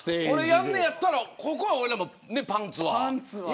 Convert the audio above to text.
やるんやったらここは俺らもパンツは。